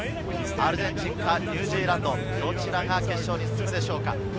アルゼンチンかニュージーランド、どちらが決勝に進むでしょうか？